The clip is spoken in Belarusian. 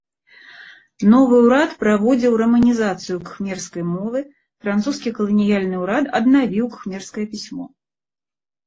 Новы ўрад праводзіў раманізацыю кхмерскай мовы, французскі каланіяльны ўрад аднавіў кхмерскае пісьмо.